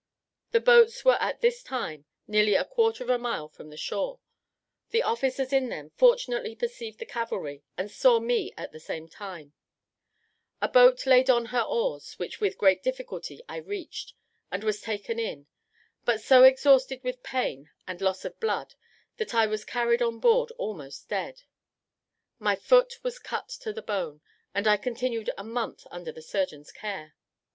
The boats were at this time nearly a quarter of a mile from the shore; the officers in them fortunately perceived the cavalry, and saw me at the same time: a boat laid on her oars, which with great difficulty I reached, and was taken in; but so exhausted with pain and loss of blood, that I was carried on board almost dead; my foot was cut to the bone, and I continued a month under the surgeon's care.